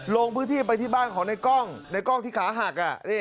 ลงพื้นที่ไปที่บ้านของในกล้องในกล้องที่ขาหัก